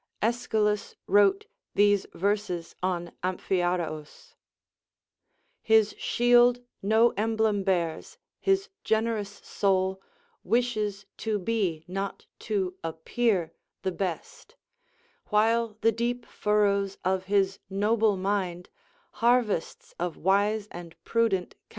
Aeschylus wrote these verses on Amphiaraus :— His shield no emblem bears ; his generous soul Wishes to be, not to appear, the best ; While tlie deep furrows of his noble mind Harvests of wise and prudent counsel bear.